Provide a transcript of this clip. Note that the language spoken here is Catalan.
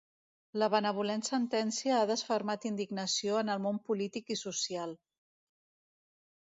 La benevolent sentència ha desfermat indignació en el món polític i social.